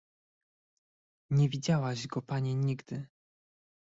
"nie widziałaś go pani nigdy!"